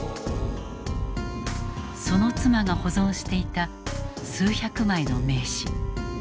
その妻が保存していた数百枚の名刺。